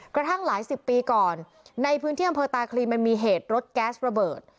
กระทั่งหลายสิบปีก่อนในพื้นที่อำเภอตาคลีมันมีเหตุรถแก๊สระเบิด